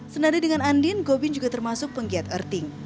senada dengan andin gobin juga termasuk penggiat earthing